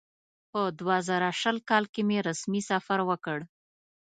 په دوه زره شل کال کې مې رسمي سفر وکړ.